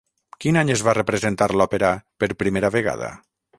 Quin any es va representar l'òpera per primera vegada?